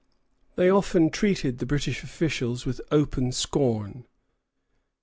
They often treated the British officials with open scorn.